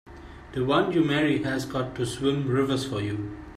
The one you marry has got to swim rivers for you!